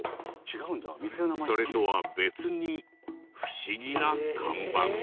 それとは別に不思議な看板が。